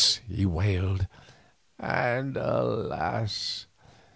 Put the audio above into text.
he wailed, "and alas!